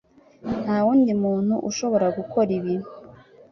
Nta wundi muntu ushobora gukora ibi.